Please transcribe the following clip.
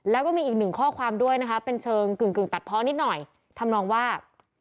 แล้วก็มีอีกหนึ่งข้อความด้วยนะคะเป็นเชิงกึ่งตัดเพาะนิดหน่อยทำนองว่า